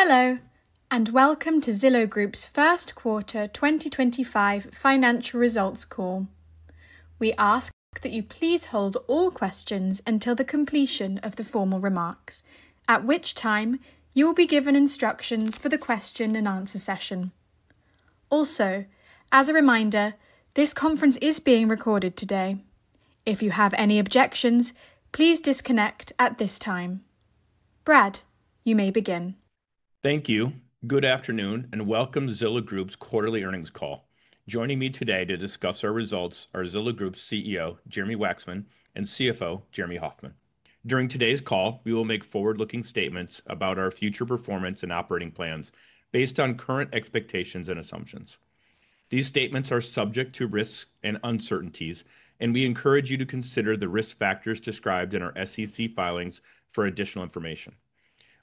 Hello, and welcome to Zillow Group's first quarter 2025 financial results call. We ask that you please hold all questions until the completion of the formal remarks, at which time you will be given instructions for the question-and-answer session. Also, as a reminder, this conference is being recorded today. If you have any objections, please disconnect at this time. Brad, you may begin. Thank you. Good afternoon, and welcome to Zillow Group's quarterly earnings call. Joining me today to discuss our results are Zillow Group's CEO, Jeremy Wacksman, and CFO, Jeremy Hofmann. During today's call, we will make forward-looking statements about our future performance and operating plans based on current expectations and assumptions. These statements are subject to risks and uncertainties, and we encourage you to consider the risk factors described in our SEC filings for additional information.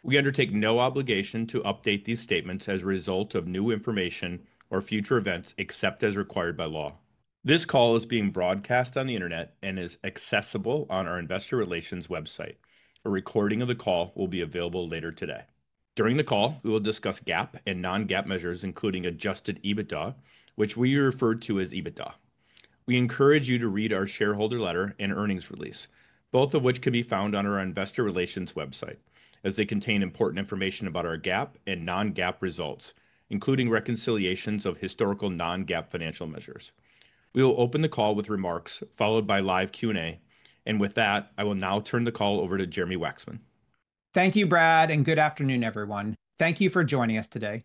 We undertake no obligation to update these statements as a result of new information or future events except as required by law. This call is being broadcast on the internet and is accessible on our investor relations website. A recording of the call will be available later today. During the call, we will discuss GAAP and non-GAAP measures, including adjusted EBITDA, which we refer to as EBITDA. We encourage you to read our shareholder letter and earnings release, both of which can be found on our investor relations website, as they contain important information about our GAAP and non-GAAP results, including reconciliations of historical non-GAAP financial measures. We will open the call with remarks followed by live Q&A, and with that, I will now turn the call over to Jeremy Wacksman. Thank you, Brad, and good afternoon, everyone. Thank you for joining us today.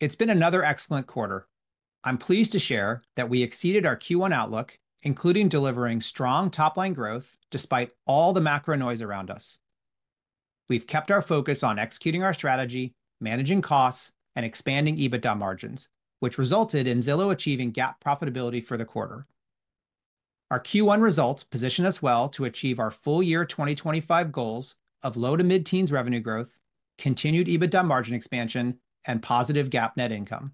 It's been another excellent quarter. I'm pleased to share that we exceeded our Q1 outlook, including delivering strong top-line growth despite all the macro noise around us. We've kept our focus on executing our strategy, managing costs, and expanding EBITDA margins, which resulted in Zillow achieving GAAP profitability for the quarter. Our Q1 results position us well to achieve our full-year 2025 goals of low to mid-teens revenue growth, continued EBITDA margin expansion, and positive GAAP net income.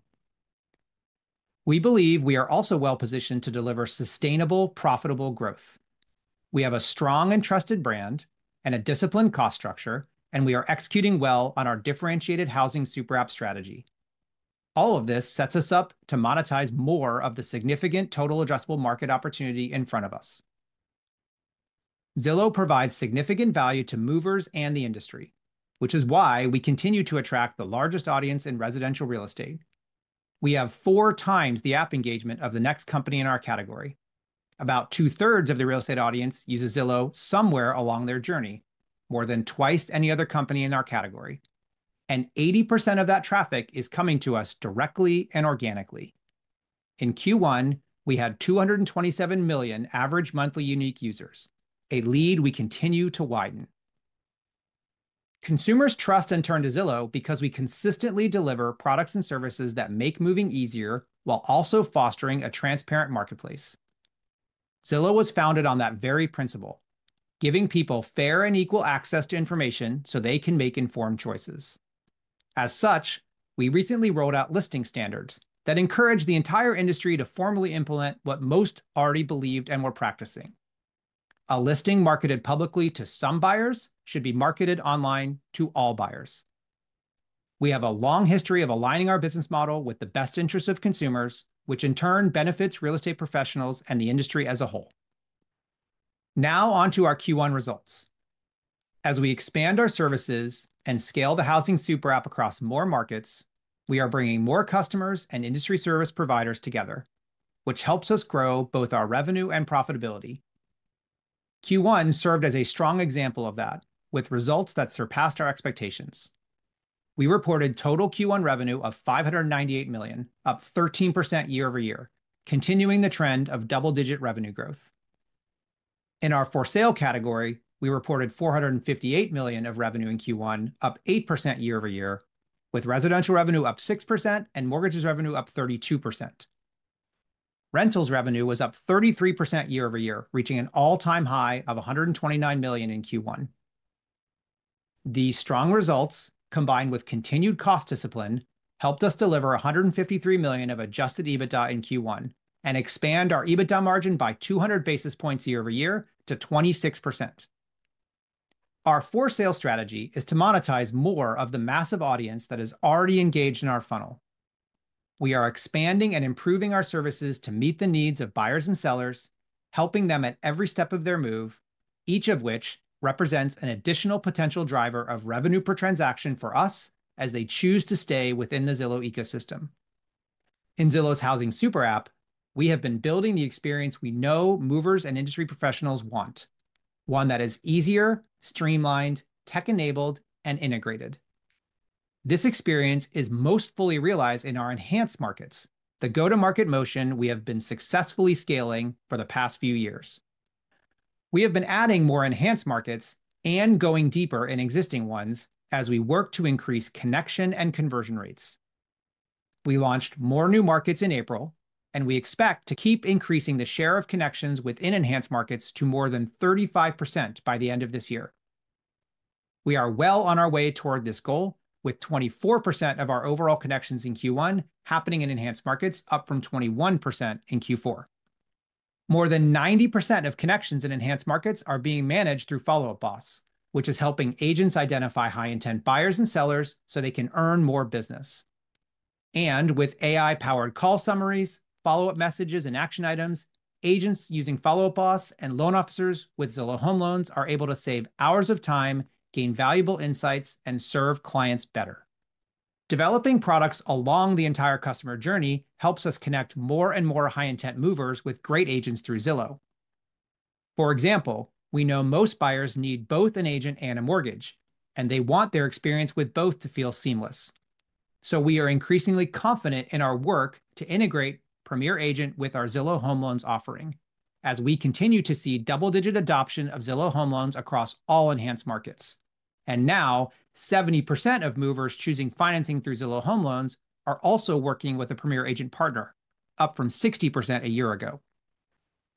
We believe we are also well-positioned to deliver sustainable, profitable growth. We have a strong and trusted brand and a disciplined cost structure, and we are executing well on our differentiated housing super app strategy. All of this sets us up to monetize more of the significant total addressable market opportunity in front of us. Zillow provides significant value to movers and the industry, which is why we continue to attract the largest audience in residential real estate. We have four times the app engagement of the next company in our category. About two-thirds of the real estate audience uses Zillow somewhere along their journey, more than twice any other company in our category, and 80% of that traffic is coming to us directly and organically. In Q1, we had 227 million average monthly unique users, a lead we continue to widen. Consumers trust and turn to Zillow because we consistently deliver products and services that make moving easier while also fostering a transparent marketplace. Zillow was founded on that very principle, giving people fair and equal access to information so they can make informed choices. As such, we recently rolled out listing standards that encourage the entire industry to formally implement what most already believed and were practicing. A listing marketed publicly to some buyers should be marketed online to all buyers. We have a long history of aligning our business model with the best interests of consumers, which in turn benefits real estate professionals and the industry as a whole. Now onto our Q1 results. As we expand our services and scale the housing super app across more markets, we are bringing more customers and industry service providers together, which helps us grow both our revenue and profitability. Q1 served as a strong example of that, with results that surpassed our expectations. We reported total Q1 revenue of $598 million, up 13% year over year, continuing the trend of double-digit revenue growth. In our for sale category, we reported $458 million of revenue in Q1, up 8% year over year, with residential revenue up 6% and mortgages revenue up 32%. Rentals revenue was up 33% year over year, reaching an all-time high of $129 million in Q1. These strong results, combined with continued cost discipline, helped us deliver $153 million of adjusted EBITDA in Q1 and expand our EBITDA margin by 200 basis points year over year to 26%. Our for sale strategy is to monetize more of the massive audience that is already engaged in our funnel. We are expanding and improving our services to meet the needs of buyers and sellers, helping them at every step of their move, each of which represents an additional potential driver of revenue per transaction for us as they choose to stay within the Zillow ecosystem. In Zillow's housing super app, we have been building the experience we know movers and industry professionals want, one that is easier, streamlined, tech-enabled, and integrated. This experience is most fully realized in our enhanced markets, the go-to-market motion we have been successfully scaling for the past few years. We have been adding more enhanced markets and going deeper in existing ones as we work to increase connection and conversion rates. We launched more new markets in April, and we expect to keep increasing the share of connections within enhanced markets to more than 35% by the end of this year. We are well on our way toward this goal, with 24% of our overall connections in Q1 happening in enhanced markets, up from 21% in Q4. More than 90% of connections in Enhanced Markets are being managed through Follow Up Boss, which is helping agents identify high-intent buyers and sellers so they can earn more business. With AI-powered call summaries, follow-up messages, and action items, agents using Follow Up Boss and loan officers with Zillow Home Loans are able to save hours of time, gain valuable insights, and serve clients better. Developing products along the entire customer journey helps us connect more and more high-intent movers with great agents through Zillow. For example, we know most buyers need both an agent and a mortgage, and they want their experience with both to feel seamless. We are increasingly confident in our work to integrate Premier Agent with our Zillow Home Loans offering, as we continue to see double-digit adoption of Zillow Home Loans across all Enhanced Markets. Now, 70% of movers choosing financing through Zillow Home Loans are also working with a Premier Agent partner, up from 60% a year ago.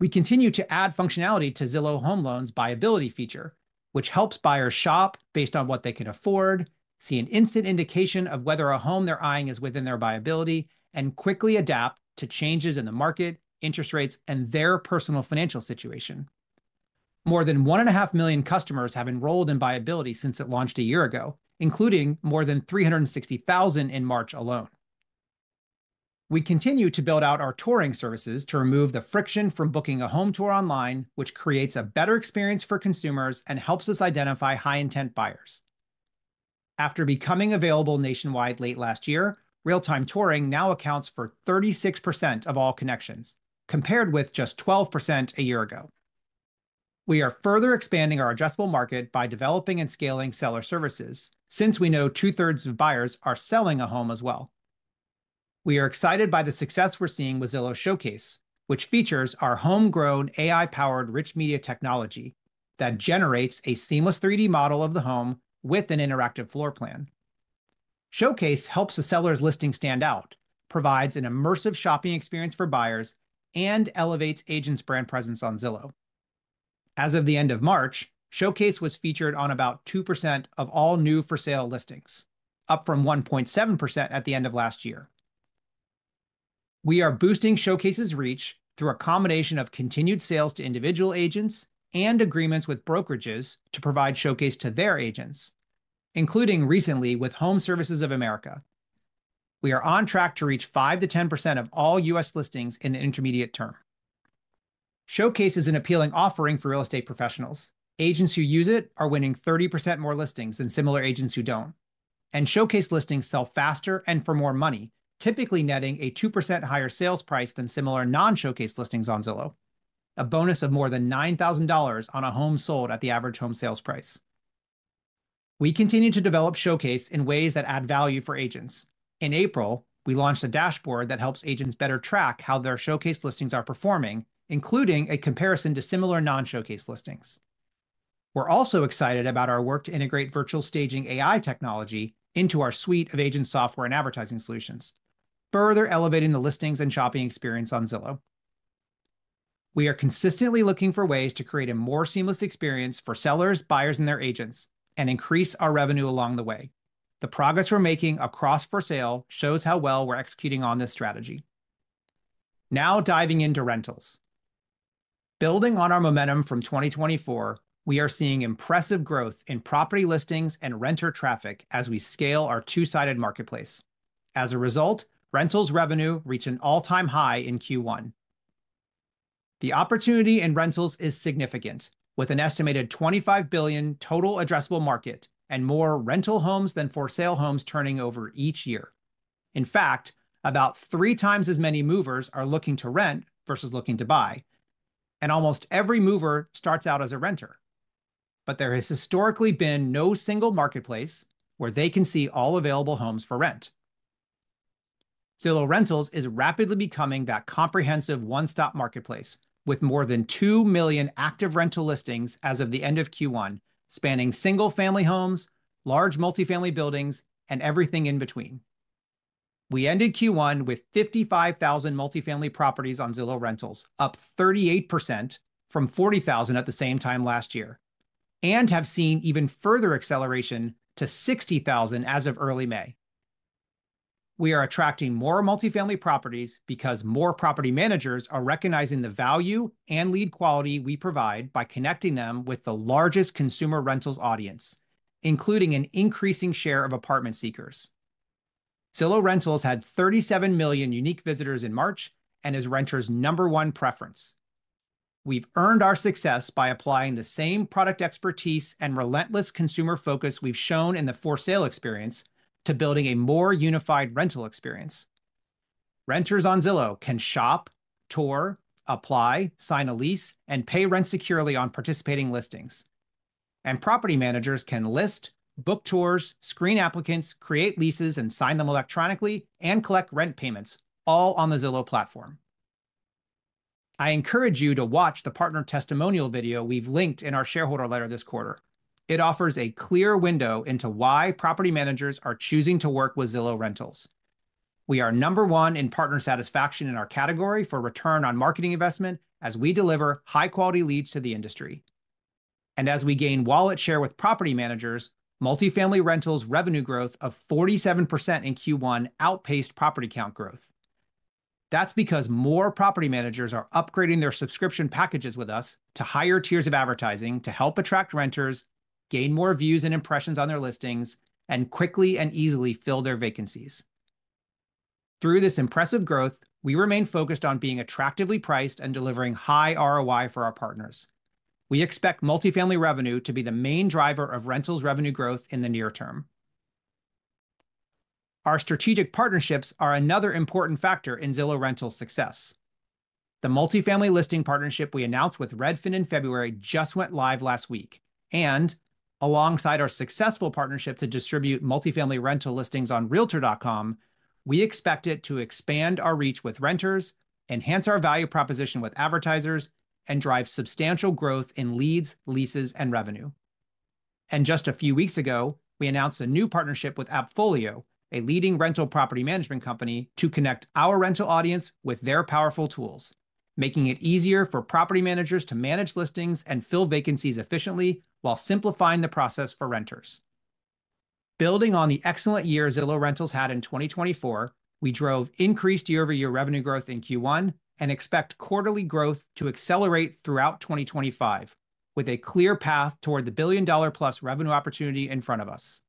We continue to add functionality to Zillow Home Loans' buyability feature, which helps buyers shop based on what they can afford, see an instant indication of whether a home they're eyeing is within their buyability, and quickly adapt to changes in the market, interest rates, and their personal financial situation. More than 1.5 million customers have enrolled in buyability since it launched a year ago, including more than 360,000 in March alone. We continue to build out our touring services to remove the friction from booking a home tour online, which creates a better experience for consumers and helps us identify high-intent buyers. After becoming available nationwide late last year, real-time touring now accounts for 36% of all connections, compared with just 12% a year ago. We are further expanding our addressable market by developing and scaling seller services, since we know two-thirds of buyers are selling a home as well. We are excited by the success we're seeing with Zillow Showcase, which features our homegrown AI-powered rich media technology that generates a seamless 3D model of the home with an interactive floor plan. Showcase helps a seller's listing stand out, provides an immersive shopping experience for buyers, and elevates agents' brand presence on Zillow. As of the end of March, Showcase was featured on about 2% of all new for sale listings, up from 1.7% at the end of last year. We are boosting Showcase's reach through a combination of continued sales to individual agents and agreements with brokerages to provide Showcase to their agents, including recently with Home Services of America. We are on track to reach 5%-10% of all U.S. listings in the intermediate term. Showcase is an appealing offering for real estate professionals. Agents who use it are winning 30% more listings than similar agents who do not, and Showcase listings sell faster and for more money, typically netting a 2% higher sales price than similar non-Showcase listings on Zillow, a bonus of more than $9,000 on a home sold at the average home sales price. We continue to develop Showcase in ways that add value for agents. In April, we launched a dashboard that helps agents better track how their Showcase listings are performing, including a comparison to similar non-Showcase listings. We're also excited about our work to integrate Virtual Staging AI technology into our suite of agent software and advertising solutions, further elevating the listings and shopping experience on Zillow. We are consistently looking for ways to create a more seamless experience for sellers, buyers, and their agents, and increase our revenue along the way. The progress we're making across for sale shows how well we're executing on this strategy. Now diving into rentals. Building on our momentum from 2024, we are seeing impressive growth in property listings and renter traffic as we scale our two-sided marketplace. As a result, rentals revenue reached an all-time high in Q1. The opportunity in rentals is significant, with an estimated $25 billion total addressable market and more rental homes than for sale homes turning over each year. In fact, about three times as many movers are looking to rent versus looking to buy, and almost every mover starts out as a renter. There has historically been no single marketplace where they can see all available homes for rent. Zillow Rentals is rapidly becoming that comprehensive one-stop marketplace, with more than 2 million active rental listings as of the end of Q1, spanning single-family homes, large multi-family buildings, and everything in between. We ended Q1 with 55,000 multi-family properties on Zillow Rentals, up 38% from 40,000 at the same time last year, and have seen even further acceleration to 60,000 as of early May. We are attracting more multi-family properties because more property managers are recognizing the value and lead quality we provide by connecting them with the largest consumer rentals audience, including an increasing share of apartment seekers. Zillow Rentals had 37 million unique visitors in March and is renters' number one preference. We've earned our success by applying the same product expertise and relentless consumer focus we've shown in the for sale experience to building a more unified rental experience. Renters on Zillow can shop, tour, apply, sign a lease, and pay rent securely on participating listings. Property managers can list, book tours, screen applicants, create leases, sign them electronically, and collect rent payments, all on the Zillow platform. I encourage you to watch the partner testimonial video we've linked in our shareholder letter this quarter. It offers a clear window into why property managers are choosing to work with Zillow Rentals. We are number one in partner satisfaction in our category for return on marketing investment as we deliver high-quality leads to the industry. As we gain wallet share with property managers, multi-family rentals' revenue growth of 47% in Q1 outpaced property count growth. That's because more property managers are upgrading their subscription packages with us to higher tiers of advertising to help attract renters, gain more views and impressions on their listings, and quickly and easily fill their vacancies. Through this impressive growth, we remain focused on being attractively priced and delivering high ROI for our partners. We expect multi-family revenue to be the main driver of rentals' revenue growth in the near term. Our strategic partnerships are another important factor in Zillow Rentals' success. The multi-family listing partnership we announced with Redfin in February just went live last week. Alongside our successful partnership to distribute multi-family rental listings on Realtor.com, we expect it to expand our reach with renters, enhance our value proposition with advertisers, and drive substantial growth in leads, leases, and revenue. Just a few weeks ago, we announced a new partnership with AppFolio, a leading rental property management company, to connect our rental audience with their powerful tools, making it easier for property managers to manage listings and fill vacancies efficiently while simplifying the process for renters. Building on the excellent year Zillow Rentals had in 2024, we drove increased year-over-year revenue growth in Q1 and expect quarterly growth to accelerate throughout 2025, with a clear path toward the billion-dollar-plus revenue opportunity in front of us.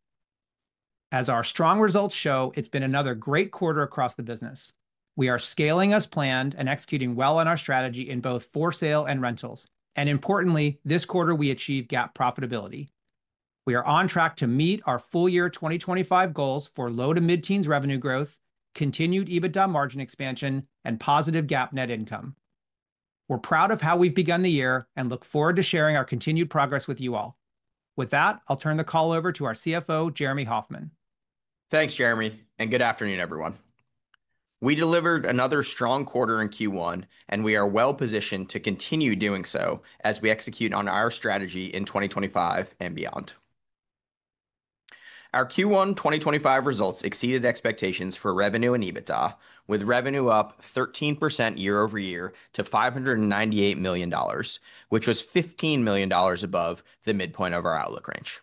As our strong results show, it has been another great quarter across the business. We are scaling as planned and executing well on our strategy in both for sale and rentals. Importantly, this quarter we achieved GAAP profitability. We are on track to meet our full-year 2025 goals for low to mid-teens revenue growth, continued EBITDA margin expansion, and positive GAAP net income. We're proud of how we've begun the year and look forward to sharing our continued progress with you all. With that, I'll turn the call over to our CFO, Jeremy Hofmann. Thanks, Jeremy, and good afternoon, everyone. We delivered another strong quarter in Q1, and we are well positioned to continue doing so as we execute on our strategy in 2025 and beyond. Our Q1 2025 results exceeded expectations for revenue and EBITDA, with revenue up 13% year over year to $598 million, which was $15 million above the midpoint of our outlook range.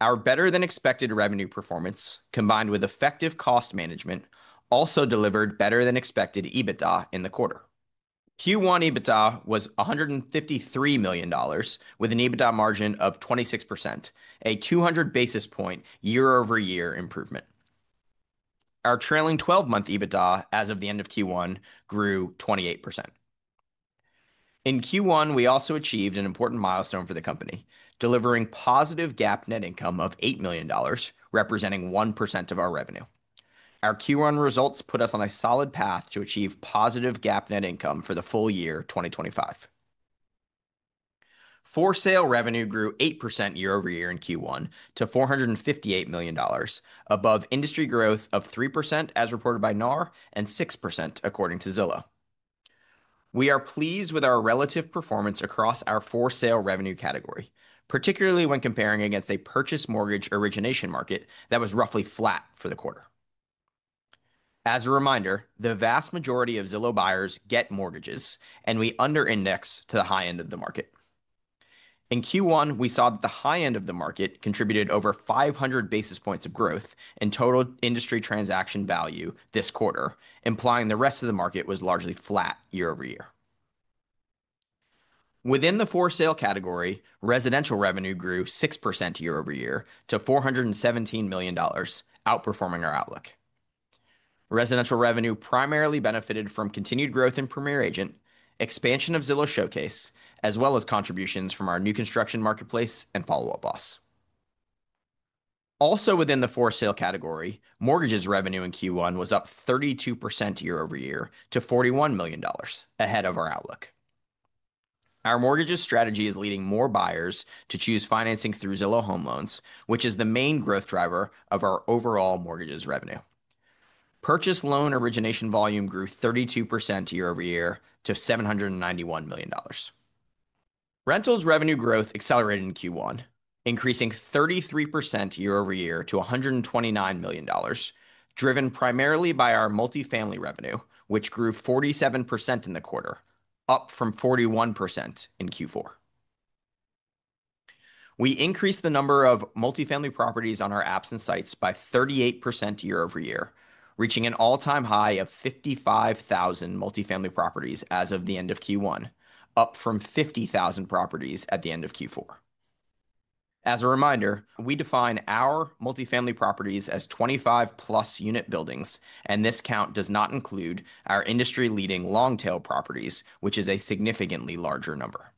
Our better-than-expected revenue performance, combined with effective cost management, also delivered better-than-expected EBITDA in the quarter. Q1 EBITDA was $153 million, with an EBITDA margin of 26%, a 200 basis point year-over-year improvement. Our trailing 12-month EBITDA as of the end of Q1 grew 28%. In Q1, we also achieved an important milestone for the company, delivering positive GAAP net income of $8 million, representing 1% of our revenue. Our Q1 results put us on a solid path to achieve positive GAAP net income for the full year 2025. For sale revenue grew 8% year-over-year in Q1 to $458 million, above industry growth of 3% as reported by NAR and 6% according to Zillow. We are pleased with our relative performance across our for sale revenue category, particularly when comparing against a purchase mortgage origination market that was roughly flat for the quarter. As a reminder, the vast majority of Zillow buyers get mortgages, and we under-index to the high end of the market. In Q1, we saw that the high end of the market contributed over 500 basis points of growth in total industry transaction value this quarter, implying the rest of the market was largely flat year-over-year. Within the for sale category, residential revenue grew 6% year-over-year to $417 million, outperforming our outlook. Residential revenue primarily benefited from continued growth in Premier Agent, expansion of Zillow Showcase, as well as contributions from our new construction marketplace and Follow Up Boss. Also within the for sale category, mortgages revenue in Q1 was up 32% year-over-year to $41 million, ahead of our outlook. Our mortgages strategy is leading more buyers to choose financing through Zillow Home Loans, which is the main growth driver of our overall mortgages revenue. Purchase loan origination volume grew 32% year-over-year to $791 million. Rentals revenue growth accelerated in Q1, increasing 33% year-over-year to $129 million, driven primarily by our multi-family revenue, which grew 47% in the quarter, up from 41% in Q4. We increased the number of multi-family properties on our apps and sites by 38% year-over-year, reaching an all-time high of 55,000 multi-family properties as of the end of Q1, up from 50,000 properties at the end of Q4. As a reminder, we define our multi-family properties as 25-plus unit buildings, and this count does not include our industry-leading long-tail properties, which is a significantly larger number.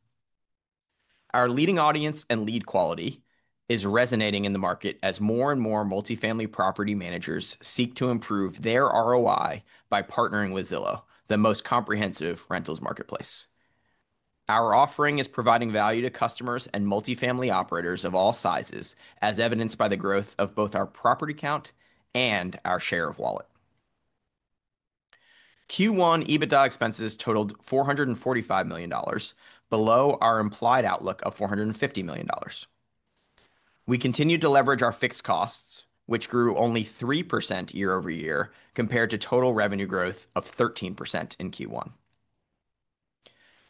Our leading audience and lead quality is resonating in the market as more and more multi-family property managers seek to improve their ROI by partnering with Zillow, the most comprehensive rentals marketplace. Our offering is providing value to customers and multi-family operators of all sizes, as evidenced by the growth of both our property count and our share of wallet. Q1 EBITDA expenses totaled $445 million, below our implied outlook of $450 million. We continue to leverage our fixed costs, which grew only 3% year-over-year compared to total revenue growth of 13% in Q1.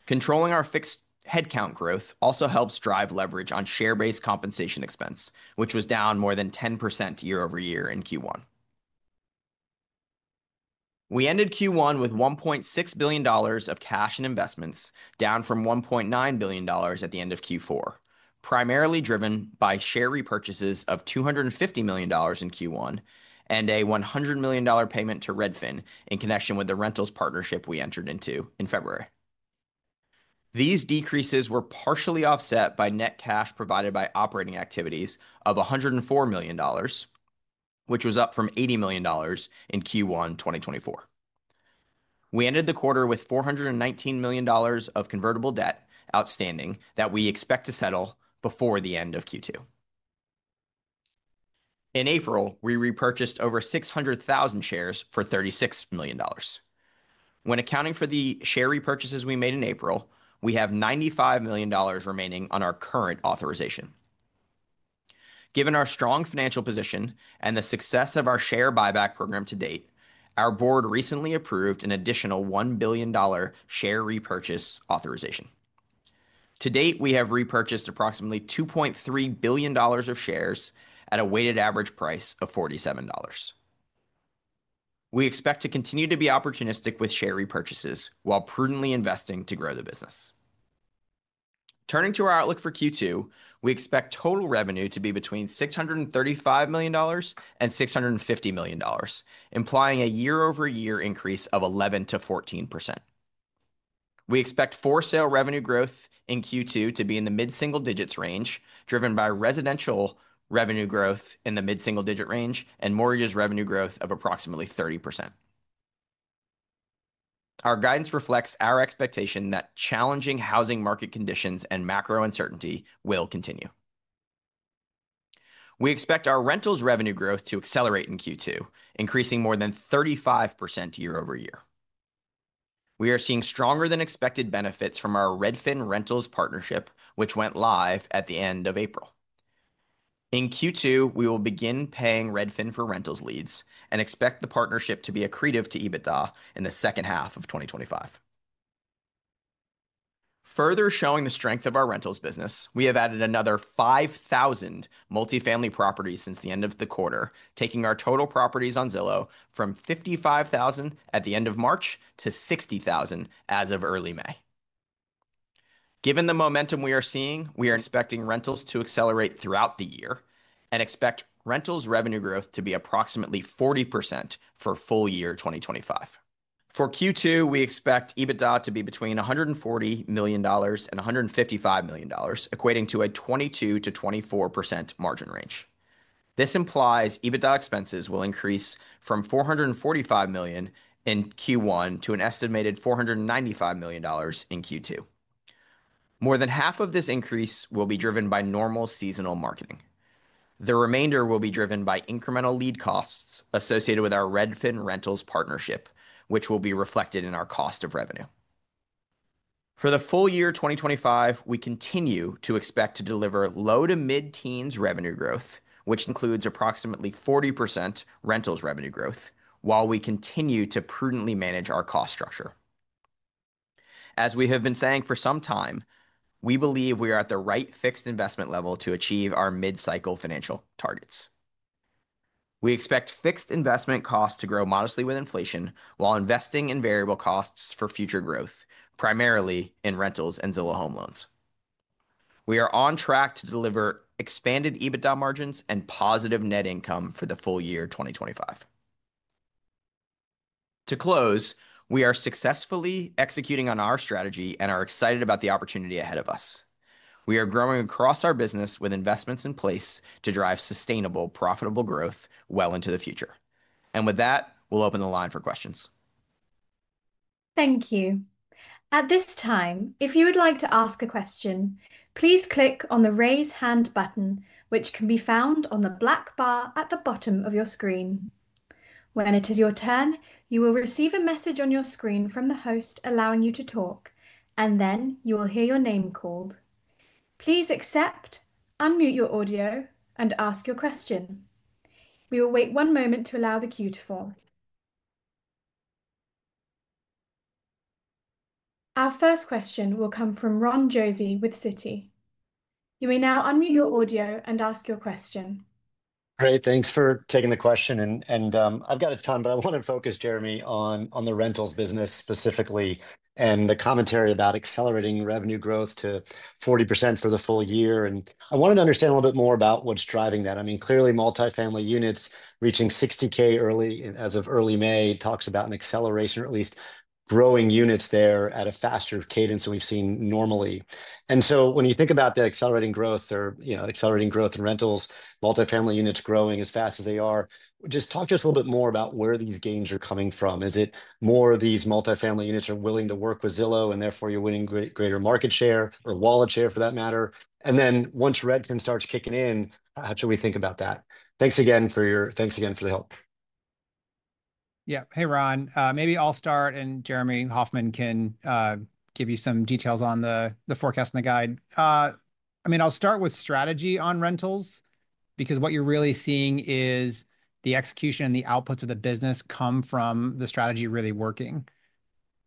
Controlling our fixed headcount growth also helps drive leverage on share-based compensation expense, which was down more than 10% year-over-year in Q1. We ended Q1 with $1.6 billion of cash and investments, down from $1.9 billion at the end of Q4, primarily driven by share repurchases of $250 million in Q1 and a $100 million payment to Redfin in connection with the rentals partnership we entered into in February. These decreases were partially offset by net cash provided by operating activities of $104 million, which was up from $80 million in Q1 2024. We ended the quarter with $419 million of convertible debt outstanding that we expect to settle before the end of Q2. In April, we repurchased over 600,000 shares for $36 million. When accounting for the share repurchases we made in April, we have $95 million remaining on our current authorization. Given our strong financial position and the success of our share buyback program to date, our board recently approved an additional $1 billion share repurchase authorization. To date, we have repurchased approximately $2.3 billion of shares at a weighted average price of $47. We expect to continue to be opportunistic with share repurchases while prudently investing to grow the business. Turning to our outlook for Q2, we expect total revenue to be between $635 million and $650 million, implying a year-over-year increase of 11%-14%. We expect for sale revenue growth in Q2 to be in the mid-single digits range, driven by residential revenue growth in the mid-single digit range and mortgages revenue growth of approximately 30%. Our guidance reflects our expectation that challenging housing market conditions and macro uncertainty will continue. We expect our rentals revenue growth to accelerate in Q2, increasing more than 35% year-over-year. We are seeing stronger-than-expected benefits from our Redfin Rentals partnership, which went live at the end of April. In Q2, we will begin paying Redfin for rentals leads and expect the partnership to be accretive to EBITDA in the second half of 2025. Further showing the strength of our rentals business, we have added another 5,000 multi-family properties since the end of the quarter, taking our total properties on Zillow from 55,000 at the end of March to 60,000 as of early May. Given the momentum we are seeing, we are expecting rentals to accelerate throughout the year and expect rentals revenue growth to be approximately 40% for full year 2025. For Q2, we expect EBITDA to be between $140 million and $155 million, equating to a 22%-24% margin range. This implies EBITDA expenses will increase from $445 million in Q1 to an estimated $495 million in Q2. More than half of this increase will be driven by normal seasonal marketing. The remainder will be driven by incremental lead costs associated with our Redfin Rentals partnership, which will be reflected in our cost of revenue. For the full year 2025, we continue to expect to deliver low to mid-teens revenue growth, which includes approximately 40% rentals revenue growth, while we continue to prudently manage our cost structure. As we have been saying for some time, we believe we are at the right fixed investment level to achieve our mid-cycle financial targets. We expect fixed investment costs to grow modestly with inflation while investing in variable costs for future growth, primarily in rentals and Zillow Home Loans. We are on track to deliver expanded EBITDA margins and positive net income for the full year 2025. To close, we are successfully executing on our strategy and are excited about the opportunity ahead of us. We are growing across our business with investments in place to drive sustainable, profitable growth well into the future. With that, we'll open the line for questions. Thank you. At this time, if you would like to ask a question, please click on the raise hand button, which can be found on the black bar at the bottom of your screen. When it is your turn, you will receive a message on your screen from the host allowing you to talk, and then you will hear your name called. Please accept, unmute your audio, and ask your question. We will wait one moment to allow the queue to form. Our first question will come from Ronald Josey with Citi. You may now unmute your audio and ask your question. Great, thanks for taking the question. And I've got a ton, but I want to focus, Jeremy, on the rentals business specifically and the commentary about accelerating revenue growth to 40% for the full year. And I wanted to understand a little bit more about what's driving that. I mean, clearly, multi-family units reaching 60K as of early May talks about an acceleration, or at least growing units there at a faster cadence than we've seen normally. When you think about that accelerating growth or, you know, accelerating growth in rentals, multi-family units growing as fast as they are, just talk to us a little bit more about where these gains are coming from. Is it more of these multi-family units are willing to work with Zillow, and therefore you're winning greater market share or wallet share for that matter? Once Redfin starts kicking in, how should we think about that? Thanks again for your, thanks again for the help. Yeah, hey, Ron. Maybe I'll start, and Jeremy Hofmann can give you some details on the forecast and the guide. I mean, I'll start with strategy on rentals, because what you're really seeing is the execution and the outputs of the business come from the strategy really working,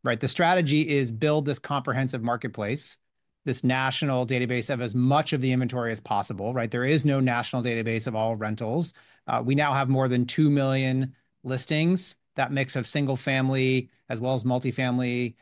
right? The strategy is build this comprehensive marketplace, this national database of as much of the inventory as possible, right? There is no national database of all rentals. We now have more than 2 million listings, that mix of single-family as well as multi-family.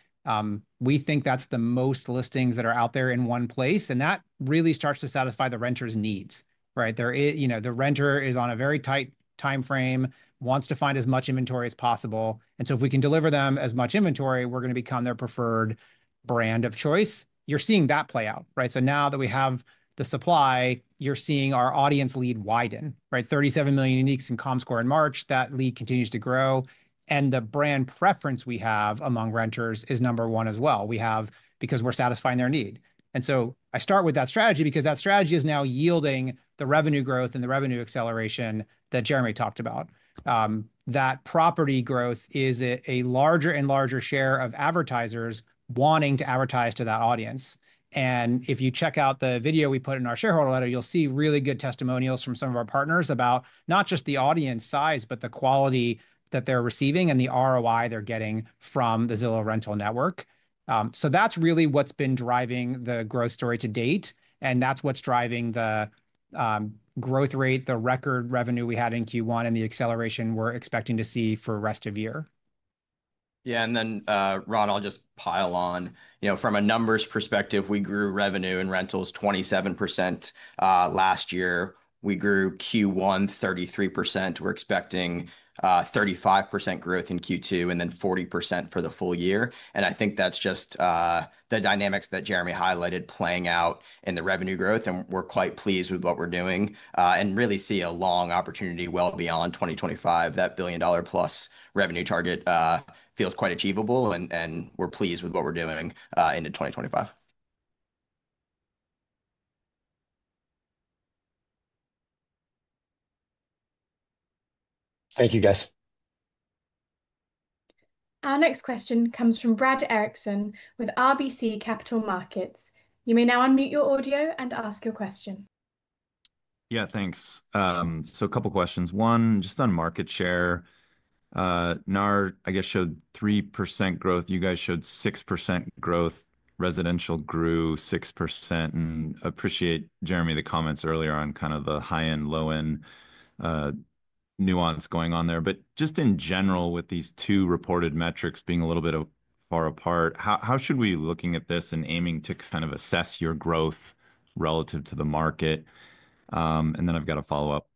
We think that's the most listings that are out there in one place, and that really starts to satisfy the renter's needs, right? You know, the renter is on a very tight timeframe, wants to find as much inventory as possible. If we can deliver them as much inventory, we're going to become their preferred brand of choice. You're seeing that play out, right? Now that we have the supply, you're seeing our audience lead widen, right? 37 million uniques in Comscore in March, that lead continues to grow. The brand preference we have among renters is number one as well. We have it because we're satisfying their need. I start with that strategy because that strategy is now yielding the revenue growth and the revenue acceleration that Jeremy talked about. That property growth is a larger and larger share of advertisers wanting to advertise to that audience. If you check out the video we put in our shareholder letter, you'll see really good testimonials from some of our partners about not just the audience size, but the quality that they're receiving and the ROI they're getting from the Zillow rental network. That's really what's been driving the growth story to date, and that's what's driving the growth rate, the record revenue we had in Q1, and the acceleration we're expecting to see for the rest of the year. Yeah, and then, Ron, I'll just pile on. You know, from a numbers perspective, we grew revenue in rentals 27% last year. We grew Q1 33%. We're expecting 35% growth in Q2 and then 40% for the full year. I think that's just the dynamics that Jeremy highlighted playing out in the revenue growth, and we're quite pleased with what we're doing and really see a long opportunity well beyond 2025. That billion-dollar-plus revenue target feels quite achievable, and we're pleased with what we're doing into 2025. Thank you, guys. Our next question comes from Brad Erickson with RBC Capital Markets. You may now unmute your audio and ask your question. Yeah, thanks. So a couple of questions. One, just on market share. NAR, I guess, showed 3% growth. You guys showed 6% growth. Residential grew 6%. And appreciate, Jeremy, the comments earlier on kind of the high-end, low-end nuance going on there. But just in general, with these two reported metrics being a little bit far apart, how should we be looking at this and aiming to kind of assess your growth relative to the market? And then I've got a follow-up.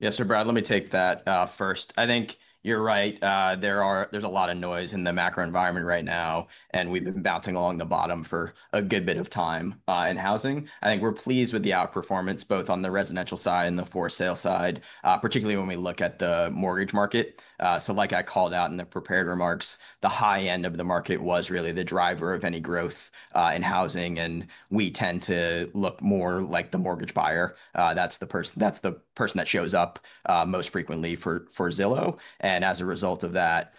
Yes, sir, Brad, let me take that first. I think you're right. There's a lot of noise in the macro environment right now, and we've been bouncing along the bottom for a good bit of time in housing. I think we're pleased with the outperformance both on the residential side and the for sale side, particularly when we look at the mortgage market. Like I called out in the prepared remarks, the high end of the market was really the driver of any growth in housing, and we tend to look more like the mortgage buyer. That's the person that shows up most frequently for Zillow. As a result of that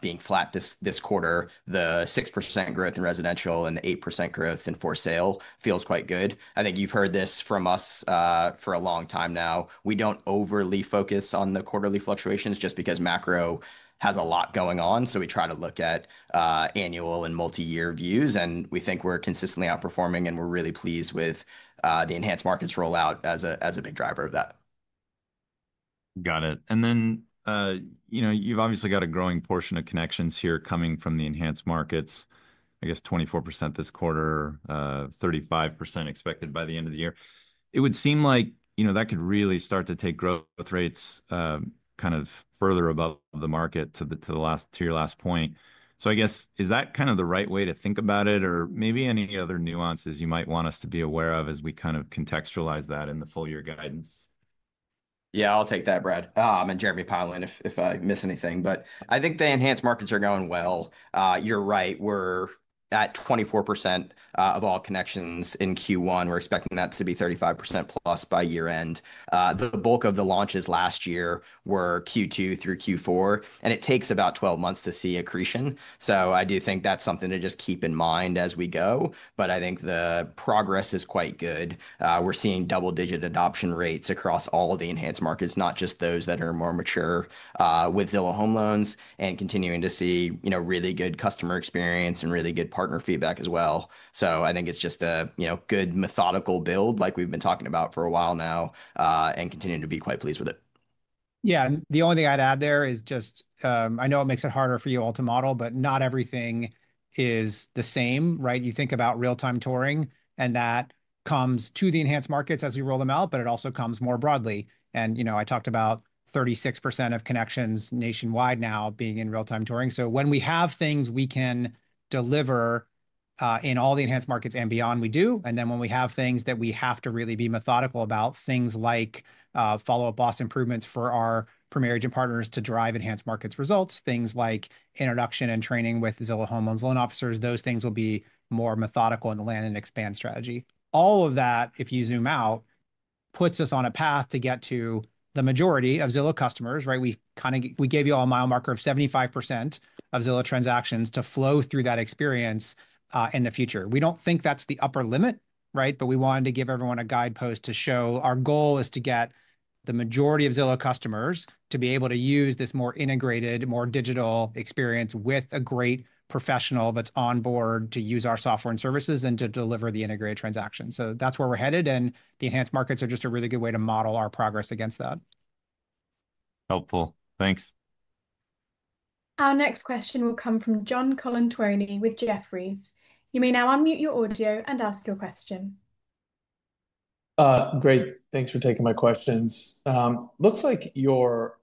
being flat this quarter, the 6% growth in residential and the 8% growth in for sale feels quite good. I think you've heard this from us for a long time now. We don't overly focus on the quarterly fluctuations just because macro has a lot going on. We try to look at annual and multi-year views, and we think we're consistently outperforming, and we're really pleased with the enhanced markets rollout as a big driver of that. Got it. You know, you've obviously got a growing portion of connections here coming from the enhanced markets. I guess 24% this quarter, 35% expected by the end of the year. It would seem like, you know, that could really start to take growth rates kind of further above the market to the last, to your last point. I guess, is that kind of the right way to think about it, or maybe any other nuances you might want us to be aware of as we kind of contextualize that in the full year guidance? Yeah, I'll take that, Brad. I'm in, Jeremy, pull in if I miss anything, but I think the enhanced markets are going well. You're right. We're at 24% of all connections in Q1. We're expecting that to be 35% plus by year-end. The bulk of the launches last year were Q2 through Q4, and it takes about 12 months to see accretion. I do think that's something to just keep in mind as we go, but I think the progress is quite good. We're seeing double-digit adoption rates across all of the enhanced markets, not just those that are more mature with Zillow Home Loans, and continuing to see, you know, really good customer experience and really good partner feedback as well. I think it's just a, you know, good methodical build like we've been talking about for a while now and continue to be quite pleased with it. Yeah, and the only thing I'd add there is just, I know it makes it harder for you all to model, but not everything is the same, right? You think about Real-time Touring, and that comes to the enhanced markets as we roll them out, but it also comes more broadly. You know, I talked about 36% of connections nationwide now being in real-time touring. When we have things we can deliver in all the enhanced markets and beyond, we do. When we have things that we have to really be methodical about, things like Follow Up Boss improvements for our Premier Agent partners to drive enhanced markets results, things like introduction and training with Zillow Home Loans loan officers, those things will be more methodical in the land and expand strategy. All of that, if you zoom out, puts us on a path to get to the majority of Zillow customers, right? We kind of, we gave you all a mile marker of 75% of Zillow transactions to flow through that experience in the future. We do not think that is the upper limit, right? But we wanted to give everyone a guidepost to show our goal is to get the majority of Zillow customers to be able to use this more integrated, more digital experience with a great professional that's on board to use our software and services and to deliver the integrated transactions. That's where we're headed, and the enhanced markets are just a really good way to model our progress against that. Helpful. Thanks. Our next question will come from John Colantuoni with Jefferies. You may now unmute your audio and ask your question. Great. Thanks for taking my questions. Looks like your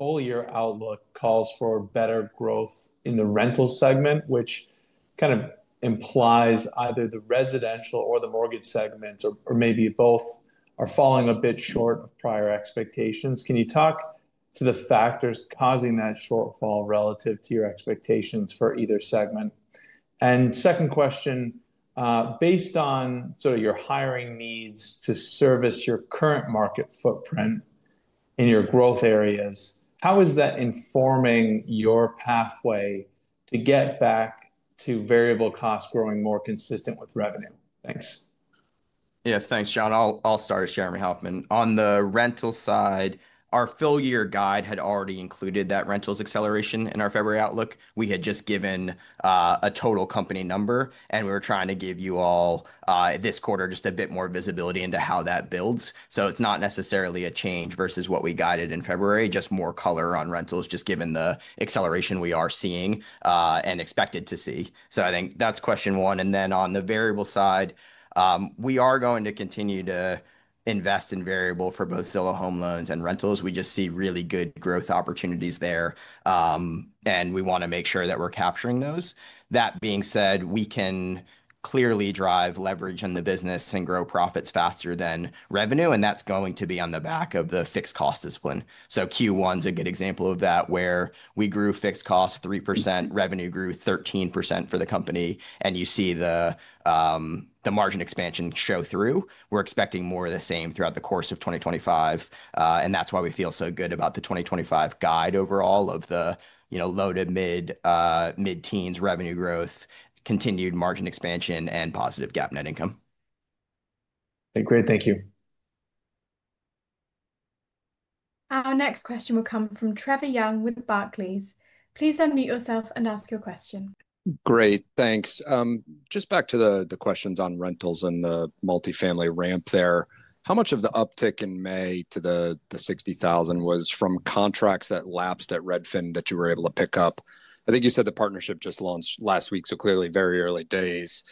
full year outlook calls for better growth in the rental segment, which kind of implies either the residential or the mortgage segments, or maybe both are falling a bit short of prior expectations. Can you talk to the factors causing that shortfall relative to your expectations for either segment? Second question, based on sort of your hiring needs to service your current market footprint in your growth areas, how is that informing your pathway to get back to variable costs growing more consistent with revenue? Thanks. Yeah, thanks, John. I'll start with Jeremy Hofmann. On the rental side, our full year guide had already included that rentals acceleration in our February outlook. We had just given a total company number, and we were trying to give you all this quarter just a bit more visibility into how that builds. It is not necessarily a change versus what we guided in February, just more color on rentals, just given the acceleration we are seeing and expected to see. I think that is question one. On the variable side, we are going to continue to invest in variable for both Zillow Home Loans and rentals. We just see really good growth opportunities there, and we want to make sure that we're capturing those. That being said, we can clearly drive leverage in the business and grow profits faster than revenue, and that's going to be on the back of the fixed cost discipline. Q1 is a good example of that, where we grew fixed costs 3%, revenue grew 13% for the company, and you see the margin expansion show through. We're expecting more of the same throughout the course of 2025, and that's why we feel so good about the 2025 guide overall of the, you know, low to mid-teens revenue growth, continued margin expansion, and positive GAAP net income. Great, thank you. Our next question will come from Trevor Young with Barclays. Please unmute yourself and ask your question. Great, thanks. Just back to the questions on rentals and the multi-family ramp there. How much of the uptick in May to the 60,000 was from contracts that lapsed at Redfin that you were able to pick up? I think you said the partnership just launched last week, so clearly very early days.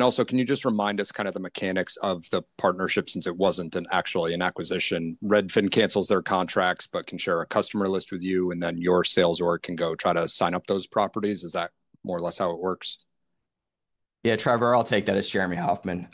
Also, can you just remind us kind of the mechanics of the partnership since it was not actually an acquisition? Redfin cancels their contracts but can share a customer list with you, and then your sales org can go try to sign up those properties. Is that more or less how it works? Yeah, Trevor, I'll take that as Jeremy Hofmann.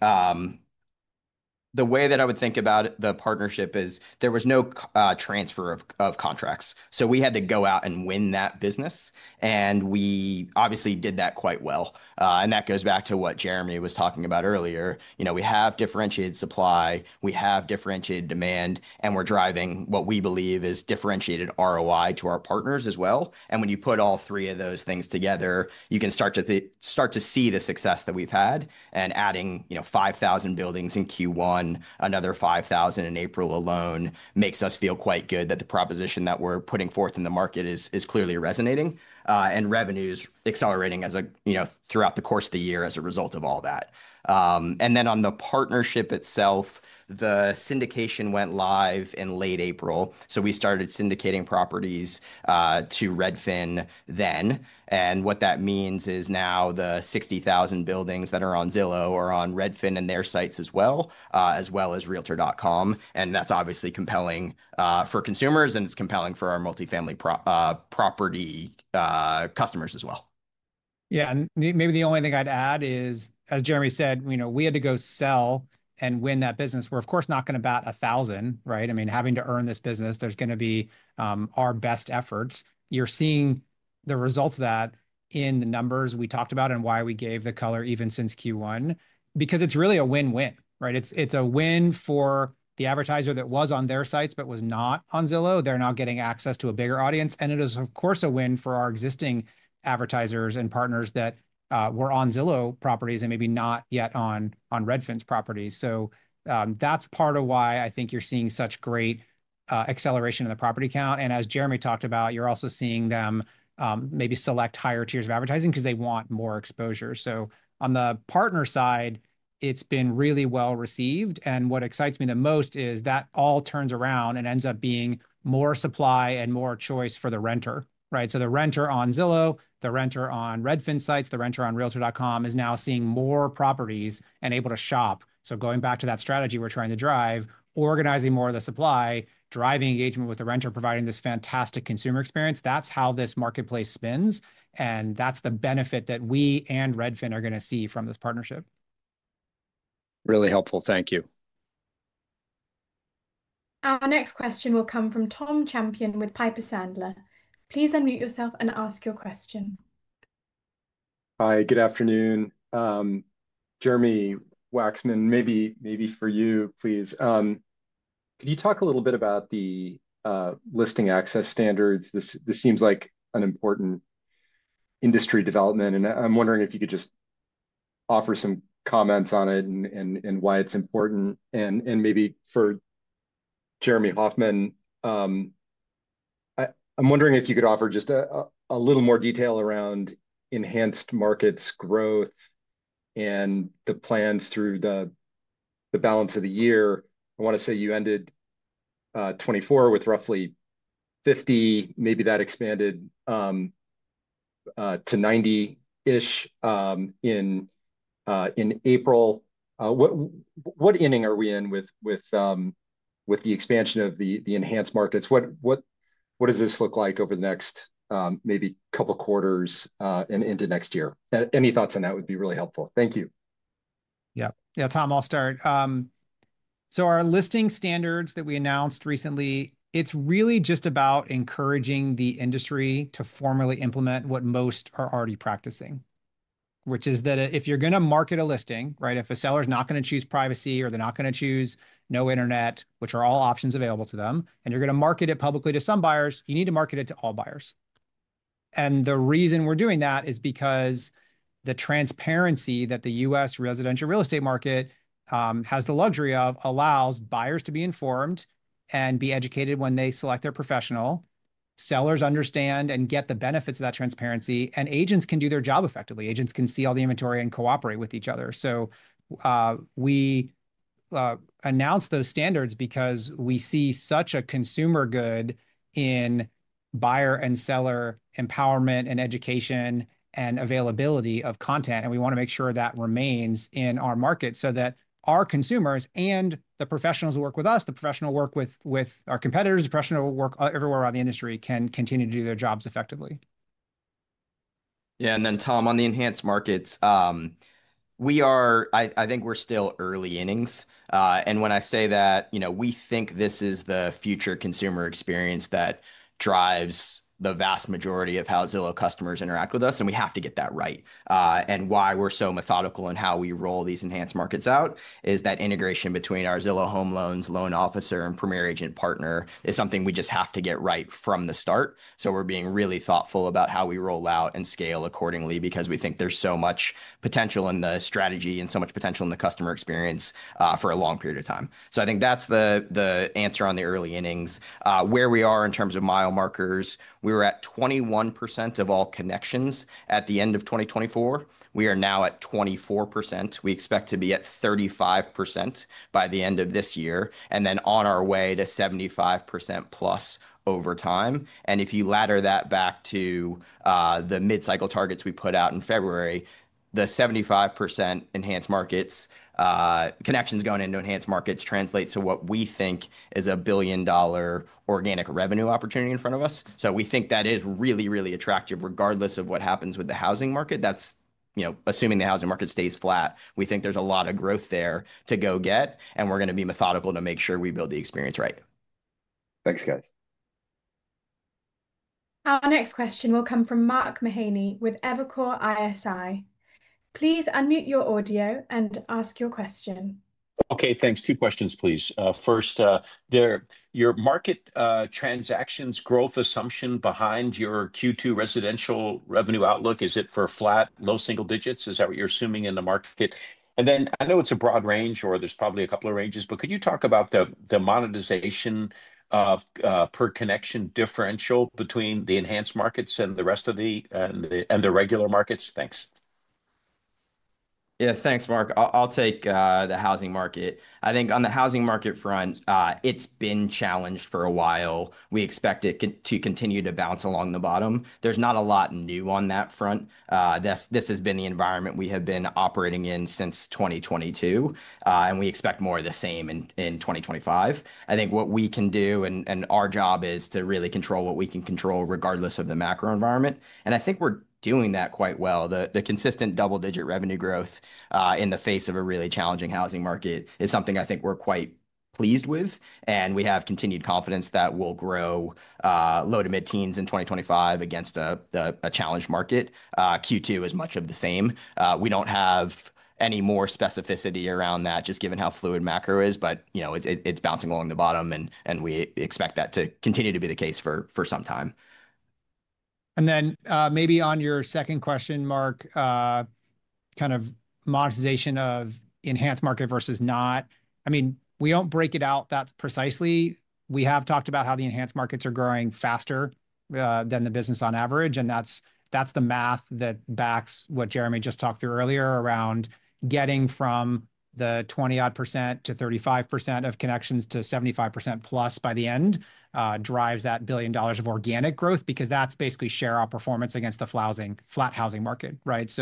The way that I would think about the partnership is there was no transfer of contracts. We had to go out and win that business, and we obviously did that quite well. That goes back to what Jeremy was talking about earlier. You know, we have differentiated supply, we have differentiated demand, and we're driving what we believe is differentiated ROI to our partners as well. When you put all three of those things together, you can start to see the success that we've had. Adding, you know, 5,000 buildings in Q1, another 5,000 in April alone makes us feel quite good that the proposition that we're putting forth in the market is clearly resonating and revenue is accelerating throughout the course of the year as a result of all that. On the partnership itself, the syndication went live in late April. We started syndicating properties to Redfin then. What that means is now the 60,000 buildings that are on Zillow are on Redfin and their sites as well, as well as Realtor.com. That is obviously compelling for consumers, and it's compelling for our multi-family property customers as well. Yeah, and maybe the only thing I'd add is, as Jeremy said, you know, we had to go sell and win that business. We're, of course, not going to bat 1,000, right? I mean, having to earn this business, there's going to be our best efforts. You're seeing the results of that in the numbers we talked about and why we gave the color even since Q1, because it's really a win-win, right? It's a win for the advertiser that was on their sites but was not on Zillow. They're now getting access to a bigger audience, and it is, of course, a win for our existing advertisers and partners that were on Zillow properties and maybe not yet on Redfin's properties. That's part of why I think you're seeing such great acceleration in the property count. As Jeremy talked about, you're also seeing them maybe select higher tiers of advertising because they want more exposure. On the partner side, it's been really well received, and what excites me the most is that all turns around and ends up being more supply and more choice for the renter, right? The renter on Zillow, the renter on Redfin sites, the renter on Realtor.com is now seeing more properties and able to shop. Going back to that strategy we're trying to drive, organizing more of the supply, driving engagement with the renter, providing this fantastic consumer experience, that's how this marketplace spins, and that's the benefit that we and Redfin are going to see from this partnership. Really helpful, thank you. Our next question will come from Tom Champion with Piper Sandler. Please unmute yourself and ask your question. Hi, good afternoon. Jeremy Wacksman, maybe for you, please. Could you talk a little bit about the listing access standards? This seems like an important industry development, and I'm wondering if you could just offer some comments on it and why it's important. Maybe for Jeremy Hofmann, I'm wondering if you could offer just a little more detail around Enhanced Markets growth and the plans through the balance of the year. I want to say you ended 2024 with roughly 50, maybe that expanded to 90-ish in April. What inning are we in with the expansion of the enhanced markets? What does this look like over the next maybe couple quarters and into next year? Any thoughts on that would be really helpful. Thank you. Yeah, yeah, Tom, I'll start. Our listing standards that we announced recently, it's really just about encouraging the industry to formally implement what most are already practicing, which is that if you're going to market a listing, right, if a seller is not going to choose privacy or they're not going to choose no internet, which are all options available to them, and you're going to market it publicly to some buyers, you need to market it to all buyers. The reason we're doing that is because the transparency that the U.S. Residential real estate market has the luxury of allows buyers to be informed and be educated when they select their professional. Sellers understand and get the benefits of that transparency, and agents can do their job effectively. Agents can see all the inventory and cooperate with each other. We announced those standards because we see such a consumer good in buyer and seller empowerment and education and availability of content, and we want to make sure that remains in our market so that our consumers and the professionals who work with us, the professionals who work with our competitors, the professionals who work everywhere around the industry can continue to do their jobs effectively. Yeah, and then Tom, on the Enhanced Markets, we are, I think we're still early innings. When I say that, you know, we think this is the future consumer experience that drives the vast majority of how Zillow customers interact with us, and we have to get that right. Why we're so methodical in how we roll these enhanced markets out is that integration between our Zillow Home Loans loan officer and Premier Agent partner is something we just have to get right from the start. We're being really thoughtful about how we roll out and scale accordingly because we think there's so much potential in the strategy and so much potential in the customer experience for a long period of time. I think that's the answer on the early innings. Where we are in terms of mile markers, we were at 21% of all connections at the end of 2024. We are now at 24%. We expect to be at 35% by the end of this year, and then on our way to 75% plus over time. If you ladder that back to the mid-cycle targets we put out in February, the 75% enhanced markets, connections going into enhanced markets translates to what we think is a billion-dollar organic revenue opportunity in front of us. We think that is really, really attractive regardless of what happens with the housing market. That is, you know, assuming the housing market stays flat, we think there is a lot of growth there to go get, and we are going to be methodical to make sure we build the experience right. Thanks, guys. Our next question will come from Mark Mahaney with Evercore ISI. Please unmute your audio and ask your question. Okay, thanks. Two questions, please. First, your market transactions growth assumption behind your Q2 residential revenue outlook, is it for flat, low single digits? Is that what you're assuming in the market? I know it's a broad range or there's probably a couple of ranges, but could you talk about the monetization per connection differential between the enhanced markets and the rest of the regular markets? Thanks. Yeah, thanks, Mark. I'll take the housing market. I think on the housing market front, it's been challenged for a while. We expect it to continue to bounce along the bottom. There's not a lot new on that front. This has been the environment we have been operating in since 2022, and we expect more of the same in 2025. I think what we can do, and our job is to really control what we can control regardless of the macro environment. I think we're doing that quite well. The consistent double-digit revenue growth in the face of a really challenging housing market is something I think we're quite pleased with, and we have continued confidence that we'll grow low to mid-teens in 2025 against a challenged market. Q2 is much of the same. We don't have any more specificity around that, just given how fluid macro is, but you know, it's bouncing along the bottom, and we expect that to continue to be the case for some time. Maybe on your second question, Mark, kind of monetization of enhanced market versus not. I mean, we don't break it out that precisely. We have talked about how the enhanced markets are growing faster than the business on average, and that's the math that backs what Jeremy just talked through earlier around getting from the 20-odd % to 35% of connections to 75% plus by the end drives that billion dollars of organic growth because that's basically share our performance against the flat housing market, right?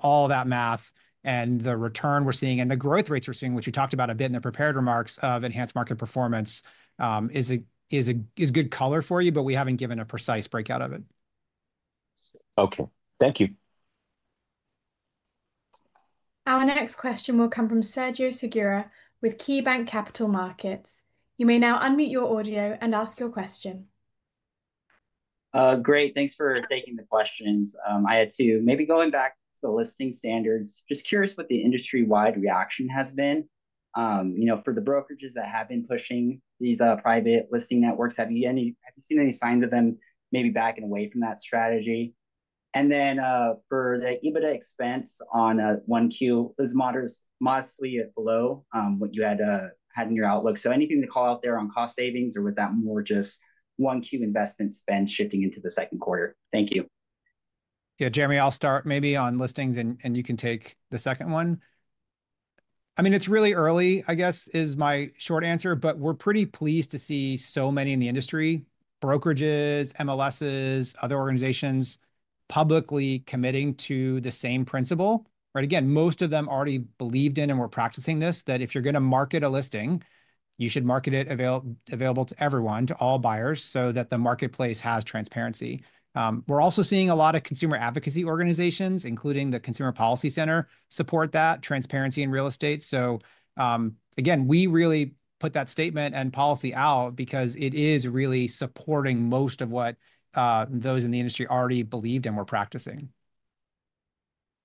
All that math and the return we're seeing and the growth rates we're seeing, which we talked about a bit in the prepared remarks of enhanced market performance, is good color for you, but we haven't given a precise breakout of it. Okay, thank you. Our next question will come from Sergio Segura with KeyBanc Capital Markets. You may now unmute your audio and ask your question. Great, thanks for taking the questions. I had two. Maybe going back to the listing standards, just curious what the industry-wide reaction has been. You know, for the brokerages that have been pushing these private listing networks, have you seen any signs of them maybe backing away from that strategy? For the EBITDA expense on one Q, it was modestly below what you had in your outlook. Anything to call out there on cost savings, or was that more just one Q investment spend shifting into the second quarter? Thank you. Yeah, Jeremy, I'll start maybe on listings, and you can take the second one. I mean, it's really early, I guess, is my short answer, but we're pretty pleased to see so many in the industry, brokerages, MLSs, other organizations, publicly committing to the same principle, right? Again, most of them already believed in and were practicing this, that if you're going to market a listing, you should market it available to everyone, to all buyers, so that the marketplace has transparency. We're also seeing a lot of consumer advocacy organizations, including the Consumer Policy Center, support that transparency in real estate. Again, we really put that statement and policy out because it is really supporting most of what those in the industry already believed and were practicing.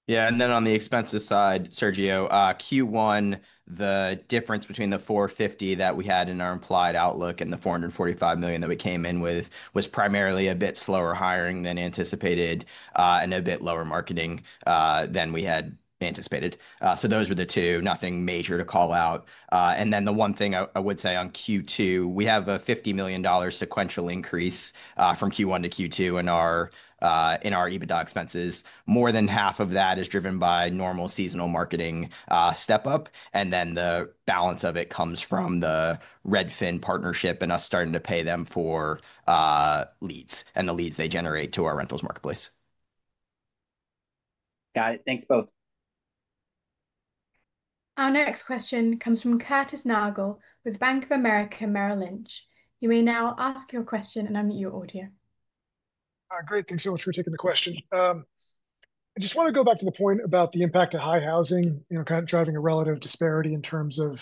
Yeah, and then on the expenses side, Sergio, Q1, the difference between the $450 million that we had in our implied outlook and the $445 million that we came in with was primarily a bit slower hiring than anticipated and a bit lower marketing than we had anticipated. Those were the two, nothing major to call out. The one thing I would say on Q2, we have a $50 million sequential increase from Q1 to Q2 in our EBITDA expenses. More than half of that is driven by normal seasonal marketing step-up, and the balance of it comes from the Redfin partnership and us starting to pay them for leads and the leads they generate to our rentals marketplace. Got it, thanks both. Our next question comes from Curtis Nagle with Bank of America Merrill Lynch. You may now ask your question and unmute your audio. Great, thanks so much for taking the question. I just want to go back to the point about the impact of high housing, you know, kind of driving a relative disparity in terms of,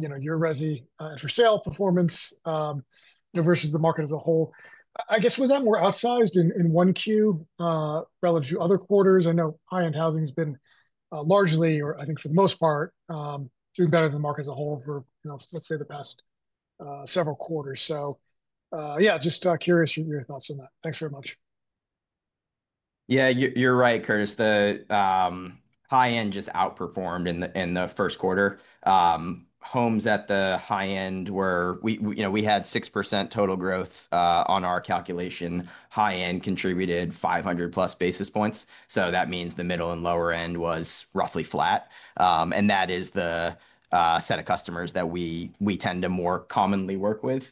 you know, your resi and for sale performance versus the market as a whole. I guess was that more outsized in one Q relative to other quarters? I know high-end housing has been largely, or I think for the most part, doing better than the market as a whole for, you know, let's say the past several quarters. Just curious your thoughts on that. Thanks very much. Yeah, you're right, Curtis. The high-end just outperformed in the first quarter. Homes at the high-end were, you know, we had 6% total growth on our calculation. High-end contributed 500 plus basis points. That means the middle and lower end was roughly flat. That is the set of customers that we tend to more commonly work with.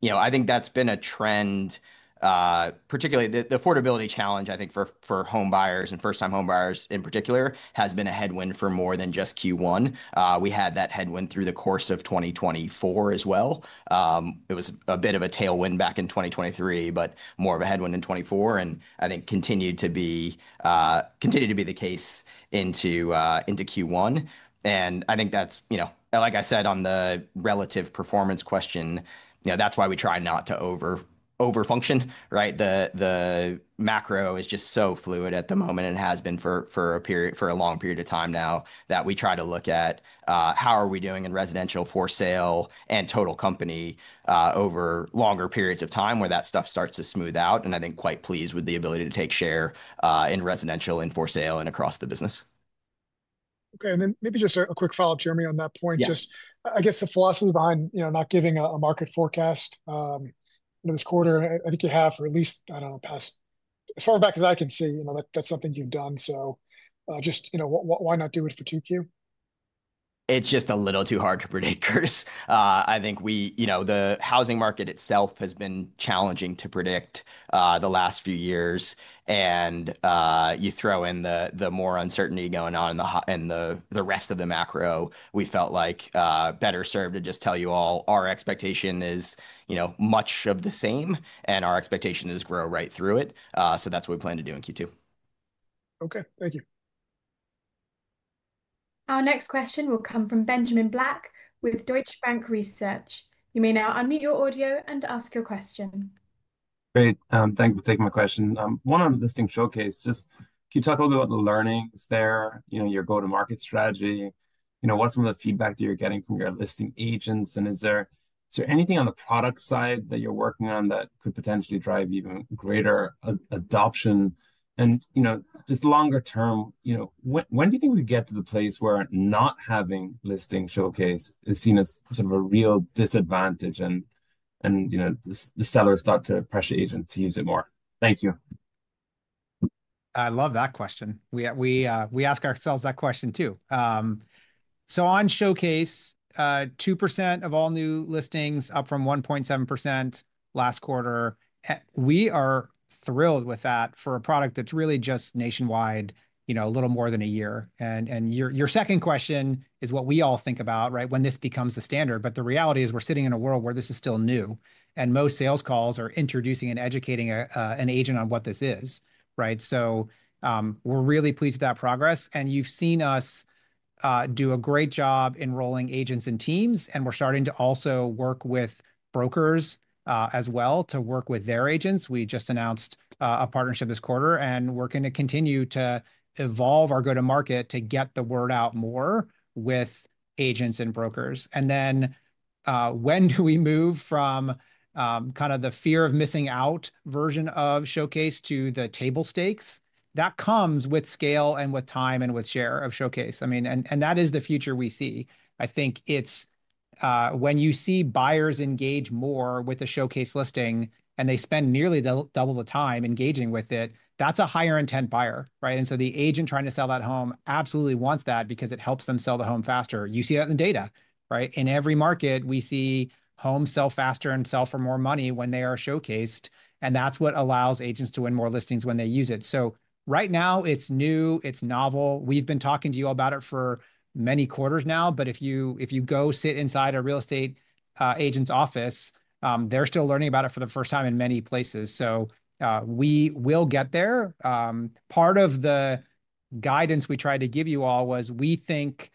You know, I think that's been a trend, particularly the affordability challenge, I think, for home buyers and first-time home buyers in particular has been a headwind for more than just Q1. We had that headwind through the course of 2024 as well. It was a bit of a tailwind back in 2023, but more of a headwind in 2024, and I think continued to be the case into Q1. I think that's, you know, like I said on the relative performance question, you know, that's why we try not to overfunction, right? The macro is just so fluid at the moment and has been for a long period of time now that we try to look at how are we doing in residential for sale and total company over longer periods of time where that stuff starts to smooth out. I think quite pleased with the ability to take share in residential and for sale and across the business. Okay, and then maybe just a quick follow-up, Jeremy, on that point. Just, I guess the philosophy behind, you know, not giving a market forecast for this quarter, I think you have for at least, I don't know, past, as far back as I can see, you know, that's something you've done. Just, you know, why not do it for 2Q? It's just a little too hard to predict, Curtis. I think we, you know, the housing market itself has been challenging to predict the last few years. You throw in the more uncertainty going on in the rest of the macro, we felt like better served to just tell you all our expectation is, you know, much of the same, and our expectation is grow right through it. That's what we plan to do in Q2. Okay, thank you. Our next question will come from Benjamin Black with Deutsche Bank Research. You may now unmute your audio and ask your question. Great, thanks for taking my question. One on the listing showcase, just can you talk a little bit about the learnings there, you know, your go-to-market strategy? You know, what's some of the feedback that you're getting from your listing agents? And is there anything on the product side that you're working on that could potentially drive even greater adoption? You know, just longer term, you know, when do you think we get to the place where not having listing showcase is seen as sort of a real disadvantage and, you know, the sellers start to pressure agents to use it more? Thank you. I love that question. We ask ourselves that question too. On showcase, 2% of all new listings, up from 1.7% last quarter. We are thrilled with that for a product that's really just nationwide, you know, a little more than a year. Your second question is what we all think about, right, when this becomes the standard. The reality is we're sitting in a world where this is still new. Most sales calls are introducing and educating an agent on what this is, right? We're really pleased with that progress. You've seen us do a great job enrolling agents and teams. We're starting to also work with brokers as well to work with their agents. We just announced a partnership this quarter and we're going to continue to evolve our go-to-market to get the word out more with agents and brokers. When do we move from kind of the fear of missing out version of Showcase to the table stakes? That comes with scale and with time and with share of Showcase. I mean, and that is the future we see. I think it's when you see buyers engage more with a Showcase listing and they spend nearly double the time engaging with it, that's a higher intent buyer, right? And so the agent trying to sell that home absolutely wants that because it helps them sell the home faster. You see that in the data, right? In every market, we see homes sell faster and sell for more money when they are showcased. And that's what allows agents to win more listings when they use it. Right now, it's new, it's novel. We've been talking to you all about it for many quarters now, but if you go sit inside a real estate agent's office, they're still learning about it for the first time in many places. We will get there. Part of the guidance we tried to give you all was we think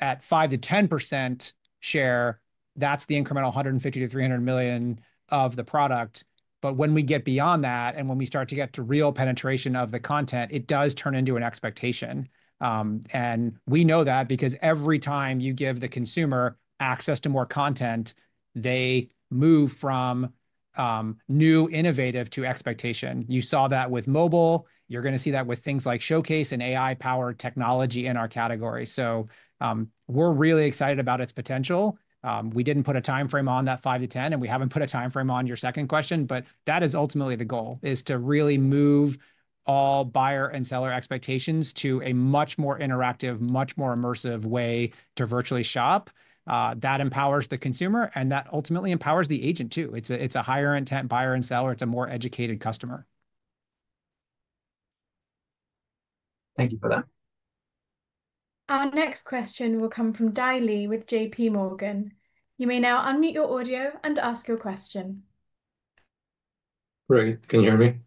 at 5%-10% share, that's the incremental $150 million-$300 million of the product. When we get beyond that and when we start to get to real penetration of the content, it does turn into an expectation. We know that because every time you give the consumer access to more content, they move from new, innovative to expectation. You saw that with mobile. You're going to see that with things like Showcase and AI-powered technology in our category. We're really excited about its potential. We didn't put a timeframe on that 5-10, and we haven't put a timeframe on your second question, but that is ultimately the goal, is to really move all buyer and seller expectations to a much more interactive, much more immersive way to virtually shop. That empowers the consumer, and that ultimately empowers the agent too. It's a higher intent buyer and seller. It's a more educated customer. Thank you for that. Our next question will come from Dae Lee with JPMorgan. You may now unmute your audio and ask your question. Great, can you hear me?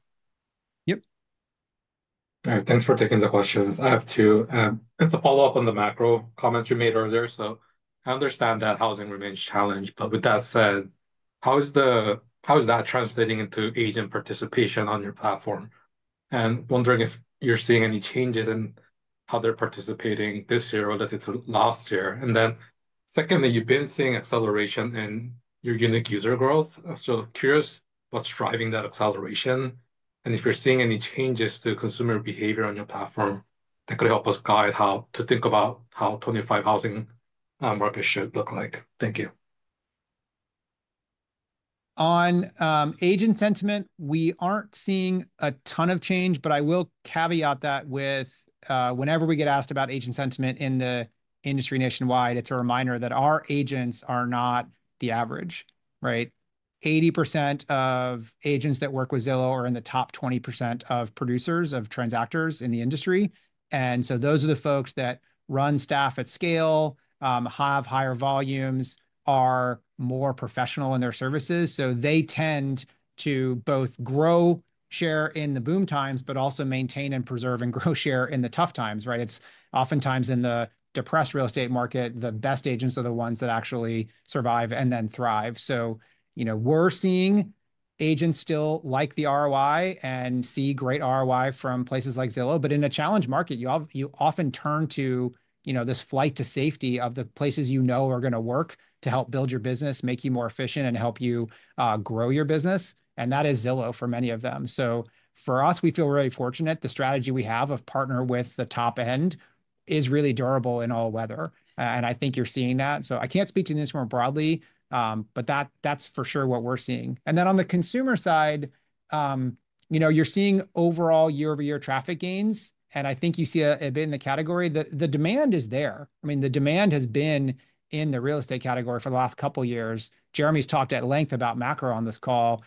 Yep. All right, thanks for taking the questions. I have two. It's a follow-up on the macro comments you made earlier. I understand that housing remains a challenge, but with that said, how is that translating into agent participation on your platform? Wondering if you're seeing any changes in how they're participating this year relative to last year. Secondly, you've been seeing acceleration in your unique user growth. Curious what's driving that acceleration. If you're seeing any changes to consumer behavior on your platform, that could help us guide how to think about how 2025 housing market should look like. Thank you. On agent sentiment, we aren't seeing a ton of change, but I will caveat that with whenever we get asked about agent sentiment in the industry nationwide, it's a reminder that our agents are not the average, right? 80% of agents that work with Zillow are in the top 20% of producers, of transactors in the industry. Those are the folks that run staff at scale, have higher volumes, are more professional in their services. They tend to both grow share in the boom times, but also maintain and preserve and grow share in the tough times, right? It's oftentimes in the depressed real estate market, the best agents are the ones that actually survive and then thrive. You know, we're seeing agents still like the ROI and see great ROI from places like Zillow, but in a challenge market, you often turn to, you know, this flight to safety of the places you know are going to work to help build your business, make you more efficient, and help you grow your business. That is Zillow for many of them. For us, we feel really fortunate. The strategy we have of partner with the top end is really durable in all weather. I think you're seeing that. I can't speak to this more broadly, but that's for sure what we're seeing. On the consumer side, you know, you're seeing overall year-over-year traffic gains. I think you see a bit in the category. The demand is there. I mean, the demand has been in the real estate category for the last couple of years. Jeremy's talked at length about macro on this call.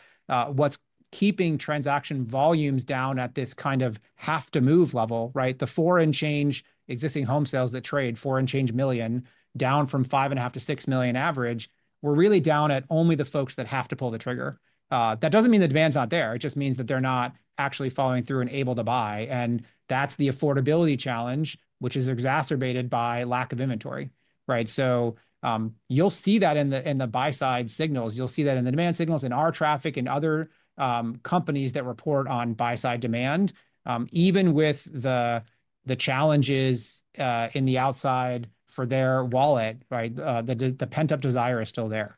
What's keeping transaction volumes down at this kind of have-to-move level, right? The four-in-change existing home sales that trade, four-in-change million, down from five and a half to six million average. We're really down at only the folks that have to pull the trigger. That doesn't mean the demand's not there. It just means that they're not actually following through and able to buy. That's the affordability challenge, which is exacerbated by lack of inventory, right? You'll see that in the buy-side signals. You'll see that in the demand signals, in our traffic, in other companies that report on buy-side demand. Even with the challenges in the outside for their wallet, right? The pent-up desire is still there.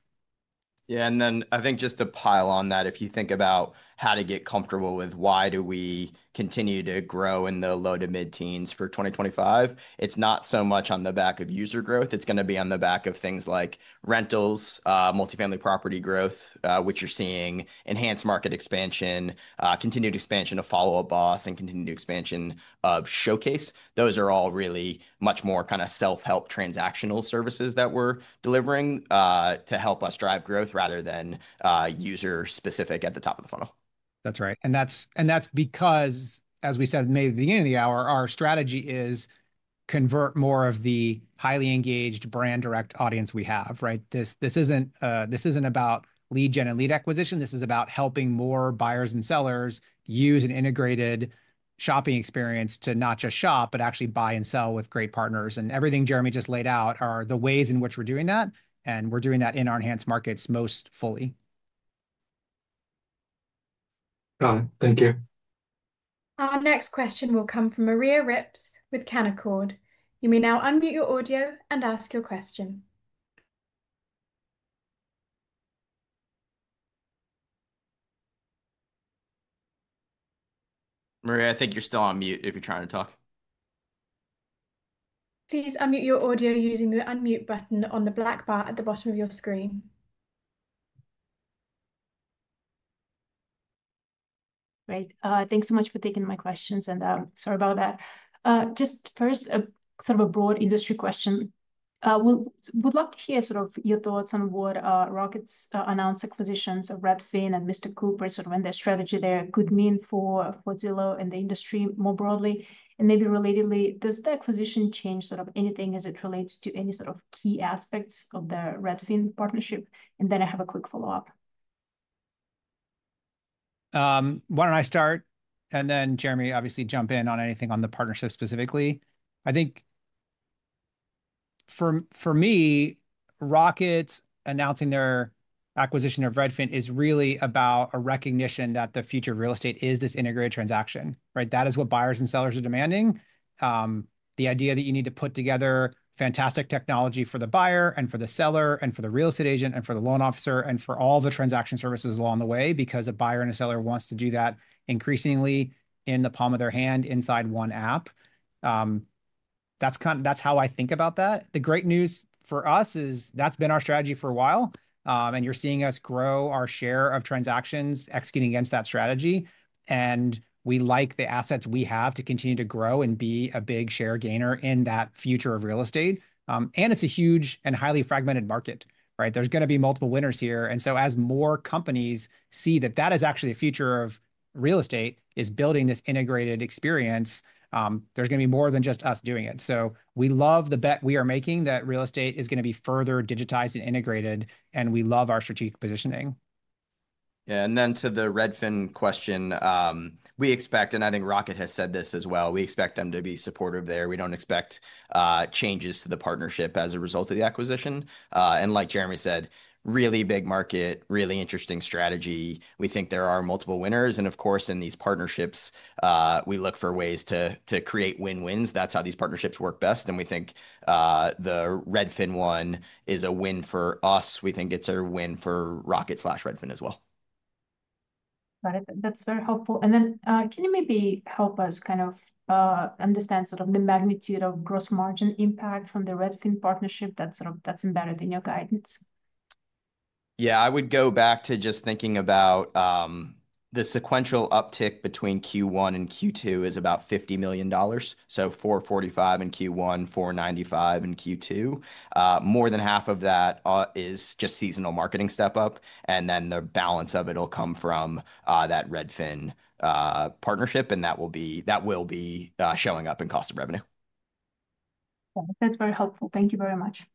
Yeah, and then I think just to pile on that, if you think about how to get comfortable with why do we continue to grow in the low to mid-teens for 2025, it's not so much on the back of user growth. It's going to be on the back of things like rentals, multi-family property growth, which you're seeing, enhanced market expansion, continued expansion of Follow Up Boss and continued expansion of Showcase. Those are all really much more kind of self-help transactional services that we're delivering to help us drive growth rather than user-specific at the top of the funnel. That's right. That's because, as we said maybe at the beginning of the hour, our strategy is to convert more of the highly engaged brand direct audience we have, right? This isn't about lead gen and lead acquisition. This is about helping more buyers and sellers use an integrated shopping experience to not just shop, but actually buy and sell with great partners. Everything Jeremy just laid out are the ways in which we're doing that. We're doing that in our enhanced markets most fully. Got it. Thank you. Our next question will come from Maria Ripps with Canaccord. You may now unmute your audio and ask your question. Maria, I think you're still on mute if you're trying to talk. Please unmute your audio using the unmute button on the black bar at the bottom of your screen. Great. Thanks so much for taking my questions. Sorry about that. Just first, a sort of a broad industry question. We'd love to hear sort of your thoughts on what Rocket's announced acquisitions of Redfin and Mr. Cooper and sort of their strategy there could mean for Zillow and the industry more broadly. Maybe relatedly, does the acquisition change sort of anything as it relates to any sort of key aspects of the Redfin partnership? I have a quick follow-up. Why don't I start? Jeremy, obviously, jump in on anything on the partnership specifically. I think for me, Rocket announcing their acquisition of Redfin is really about a recognition that the future of real estate is this integrated transaction, right? That is what buyers and sellers are demanding. The idea that you need to put together fantastic technology for the buyer and for the seller and for the real estate agent and for the loan officer and for all the transaction services along the way because a buyer and a seller wants to do that increasingly in the palm of their hand inside one app. That's kind of how I think about that. The great news for us is that's been our strategy for a while. You are seeing us grow our share of transactions executing against that strategy. We like the assets we have to continue to grow and be a big share gainer in that future of real estate. It is a huge and highly fragmented market, right? There is going to be multiple winners here. As more companies see that that is actually a future of real estate, is building this integrated experience, there is going to be more than just us doing it. We love the bet we are making that real estate is going to be further digitized and integrated. We love our strategic positioning. Yeah. To the Redfin question, we expect, and I think Rocket has said this as well, we expect them to be supportive there. We do not expect changes to the partnership as a result of the acquisition. Like Jeremy said, really big market, really interesting strategy. We think there are multiple winners. Of course, in these partnerships, we look for ways to create win-wins. That is how these partnerships work best. We think the Redfin one is a win for us. We think it is a win for Rocket/Redfin as well. Got it. That's very helpful. Can you maybe help us kind of understand sort of the magnitude of gross margin impact from the Redfin partnership that's embedded in your guidance? Yeah, I would go back to just thinking about the sequential uptick between Q1 and Q2 is about $50 million. So $445 million in Q1, $495 million in Q2. More than half of that is just seasonal marketing step up, and the balance of it will come from that Redfin partnership. That will be showing up in cost of revenue. That's very helpful. Thank you very much.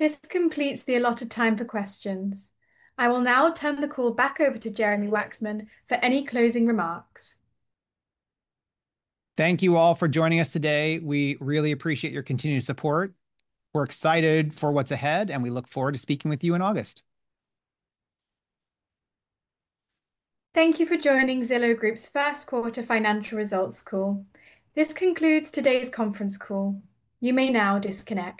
This completes the allotted time for questions. I will now turn the call back over to Jeremy Wacksman for any closing remarks. Thank you all for joining us today. We really appreciate your continued support. We're excited for what's ahead, and we look forward to speaking with you in August. Thank you for joining Zillow Group's first quarter financial results call. This concludes today's conference call. You may now disconnect.